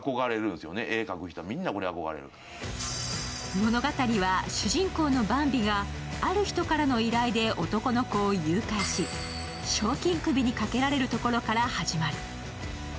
物語は主人公のバンビがある人からの依頼で男の子を誘拐し、賞金首にかけられるところから始まる。